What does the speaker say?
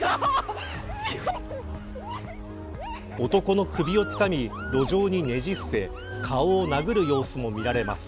男の首をつかみ、路上にねじ伏せ顔を殴る様子も見られます。